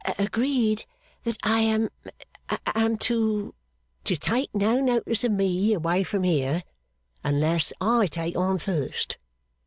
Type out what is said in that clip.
'Agreed that I am to ' 'To take no notice of me away from here, unless I take on first.